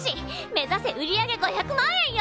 目指せ売り上げ５００万円よ！